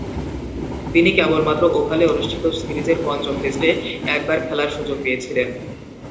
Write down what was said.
তিনি কেবলমাত্র ওভালে অনুষ্ঠিত সিরিজের পঞ্চম টেস্টে একবার খেলার সুযোগ পেয়েছিলেন।